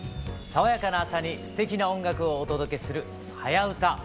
爽やかな朝にすてきな音楽をお届けする「はやウタ」。